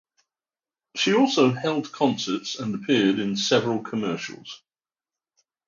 She also held concerts and appeared in several commercials.